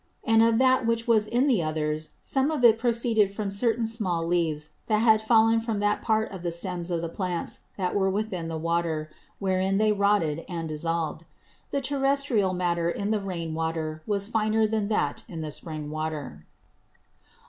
And of that which was in the others, some of it proceeded from certain small Leaves that had fallen from that part of the Stems of the Plants that was within the Water, wherein they rotted and dissolved. The Terrestrial Matter in the Rain water was finer than that in the Spring water.